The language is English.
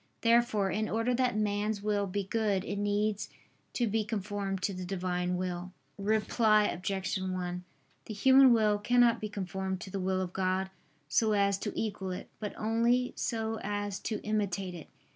Therefore, in order that man's will be good it needs to be conformed to the Divine will. Reply Obj. 1: The human will cannot be conformed to the will of God so as to equal it, but only so as to imitate it.